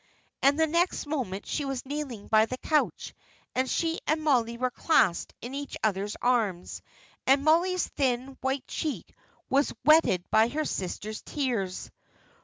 and the next moment she was kneeling by the couch, and she and Mollie were clasped in each other's arms, and Mollie's thin white cheek was wetted by her sister's tears.